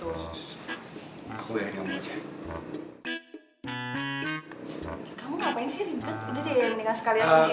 udah deh mendingan sekali aja